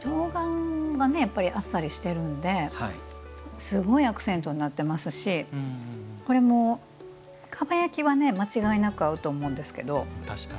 冬瓜はあっさりしてるんですごいアクセントになってますしこれも、かば焼きは間違いなく合うと思うんですけど。